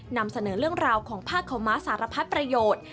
นำเสนอเรื่องราวของผ้าขาวม้าสารพัดประโยชน์